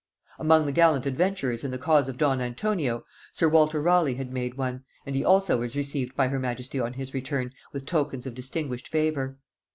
Among the gallant adventurers in the cause of don Antonio sir Walter Raleigh had made one, and he also was received by her majesty on his return with tokens of distinguished favor.